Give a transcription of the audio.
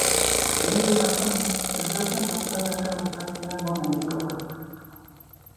Bija jau tumšs, kad vilciens apstājās gala stacijā, Bonegilla.